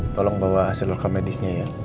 tolong bawa hasil reka medisnya ya